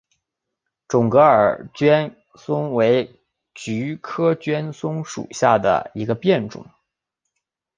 准噶尔绢蒿为菊科绢蒿属下的一个变种。